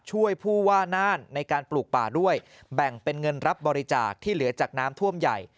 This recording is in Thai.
ผู้ว่าน่านในการปลูกป่าด้วยแบ่งเป็นเงินรับบริจาคที่เหลือจากน้ำท่วมใหญ่